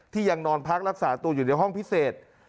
ยังนอนพักรักษาตัวอยู่ในห้องพิเศษ